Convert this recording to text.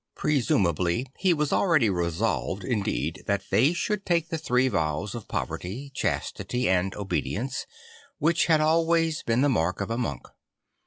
Presumably he was already resolved, indeed, that they should take the three vows of poverty, chastity and obedience which had always been the mark of a monk.